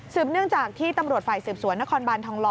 เนื่องจากที่ตำรวจฝ่ายสืบสวนนครบานทองหล